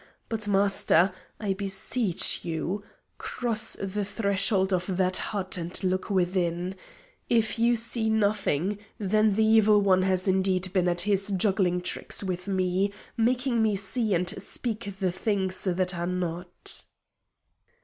But, Master, I beseech you, cross the threshold of that hut and look within. If you see nothing, then the Evil One has indeed been at his juggling tricks with me, making me see and speak the things that are not."